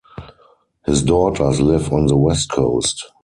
His daughters live on the West Coast.